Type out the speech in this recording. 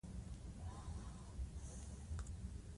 دښتې د اقلیمي نظام یو ښکارندوی دی.